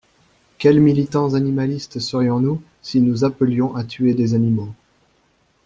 Quels militants animalistes serions-nous, si nous appelions à tuer des animaux